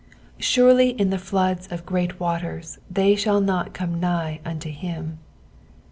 " Surely in the flood* nf great watere they tliaU iu>t eome nigh unto him.'"